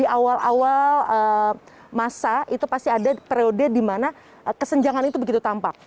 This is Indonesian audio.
di awal awal masa itu pasti ada periode di mana kesenjangan itu begitu tampak